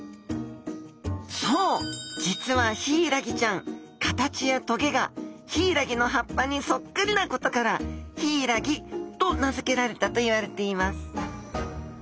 実はヒイラギちゃん形やトゲがヒイラギの葉っぱにそっくりなことからヒイラギと名付けられたといわれています。